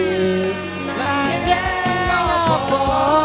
tidak ada apa apa